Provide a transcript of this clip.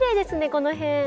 この辺。